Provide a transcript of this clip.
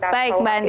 baik mbak andi